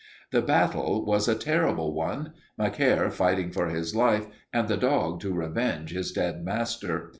"The battle was a terrible one, Macaire fighting for his life and the dog to revenge his dead master.